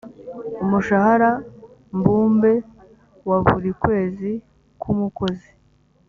umushahara mbumbe wa buri kwezi ku mukozi